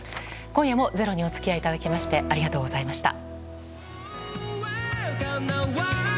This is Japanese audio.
今夜も「ｚｅｒｏ」にお付き合いいただきましてありがとうございました。